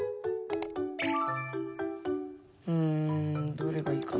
うんどれがいいかな。